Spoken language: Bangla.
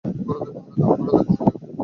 ঘোড়াদের পাহারা দাও।